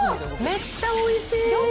めっちゃおいしい。